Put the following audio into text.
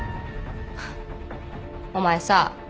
お前さ